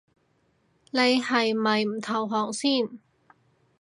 你係咪唔投降先